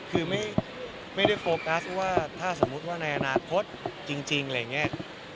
คือไม่ได้โฟกัสว่าถ้าสมมุติว่าในอนาคตจริงอะไรอย่างนี้